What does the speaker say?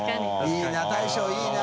いい大将いいな。